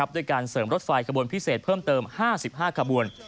ด้วยการเสริมรถไฟขบวนพิเศษเพิ่มเติม๕๕ขบวน